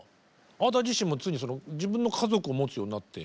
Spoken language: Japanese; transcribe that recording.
あなた自身もついに自分の家族を持つようになって。